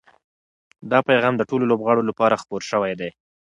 دا پیغام د ټولو لوبغاړو لپاره خپور شوی دی.